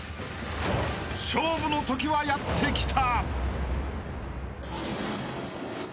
［勝負の時はやって来た］